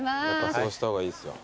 そうした方がいいっすよ。